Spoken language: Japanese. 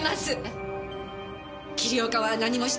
桐岡は何もしてません！